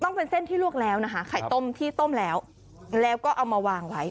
ต้องเป็นเส้นที่ลวกแล้วนะคะไข่ต้มที่ต้มแล้วแล้วก็เอามาวางไว้